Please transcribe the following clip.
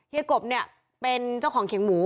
เฮียกบเป็นเจ้าของเขียงหมู